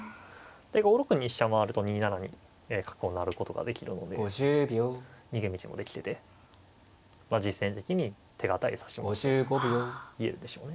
で５六に飛車回ると２七に角を成ることができるので逃げ道もできてて実戦的に手堅い指し回しと言えるでしょうね。